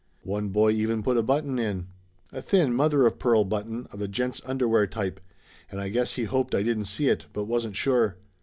One boy even put a button in. A thin, mother of pearl button of a gent's underwear type, and I guess he hoped I didn't see it, but wasn't sure.